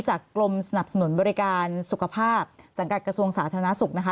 กรมสนับสนุนบริการสุขภาพสังกัดกระทรวงสาธารณสุขนะคะ